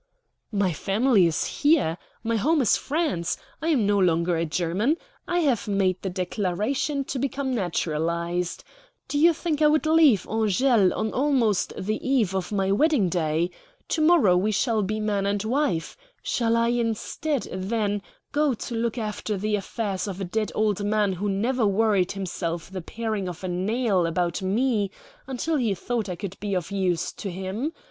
"My family is here. My home is France. I am no longer a German. I have made the declaration to become naturalized. Do you think I would leave Angele on almost the eve of my wedding day? To morrow we shall be man and wife. Shall I instead, then, go to look after the affairs of a dead old man who never worried himself the paring of a nail about me until he thought I could be of use to him?